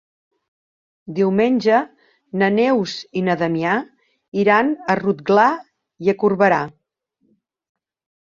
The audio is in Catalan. Diumenge na Neus i na Damià iran a Rotglà i Corberà.